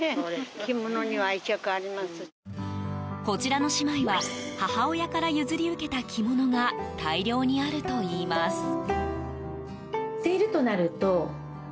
こちらの姉妹は母親から譲り受けた着物が大量にあるといいます。